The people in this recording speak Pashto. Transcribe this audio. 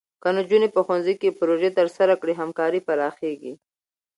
که نجونې په ښوونځي کې پروژې ترسره کړي، همکاري پراخېږي.